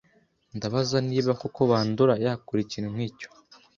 Ndabaza niba koko Bandora yakora ikintu nkicyo.